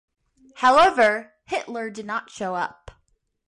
However, Hitler did not show up.